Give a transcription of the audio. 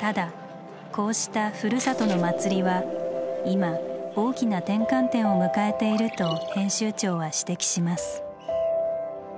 ただこうした「ふるさと」の祭りは今大きな転換点を迎えていると編集長は指摘します。